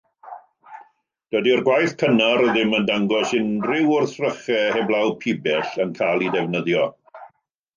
Dydy'r gwaith cynnar ddim yn dangos unrhyw wrthrychau heblaw pibell yn cael eu defnyddio.